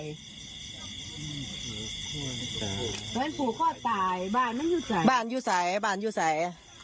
เพราะฉะนั้นผู้ข้อตายบ้านมันอยู่ใส่บ้านอยู่ใส่บ้านอยู่ใส่